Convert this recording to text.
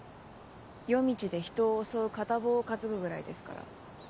夜道で人を襲う片棒を担ぐぐらいですから。